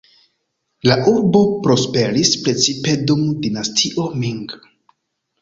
La urbo prosperis precipe dum Dinastio Ming.